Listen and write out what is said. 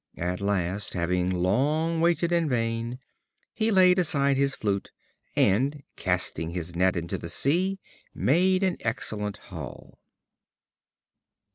At last, having long waited in vain, he laid aside his flute, and casting his net into the sea, made an excellent haul.